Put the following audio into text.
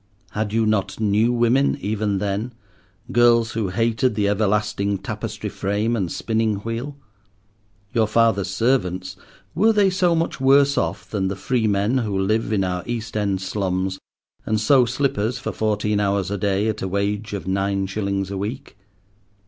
Had you not new women even then? girls who hated the everlasting tapestry frame and spinning wheel? Your father's servants, were they so much worse off than the freemen who live in our East end slums and sew slippers for fourteen hours a day at a wage of nine shillings a week?